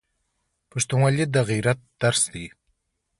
پښتونولي د غیرت درس دی.